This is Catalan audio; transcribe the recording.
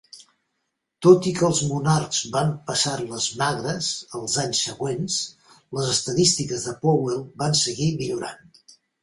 Tot i que els Monarchs van passar-les magres els anys següents, les estadístiques de Powell van seguir millorant.